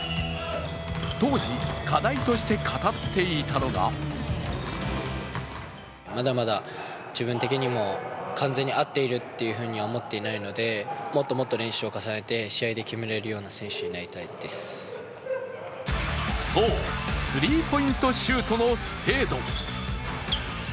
当時、課題として語っていたのがそう、スリーポイントシュートの精度。